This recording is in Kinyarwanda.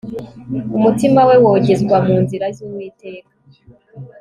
Umutima we wogezwa mu nzira zUwiteka